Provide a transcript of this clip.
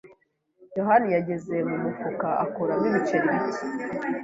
yohani yageze mu mufuka akuramo ibiceri bike.